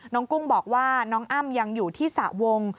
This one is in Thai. กุ้งบอกว่าน้องอ้ำยังอยู่ที่สระวง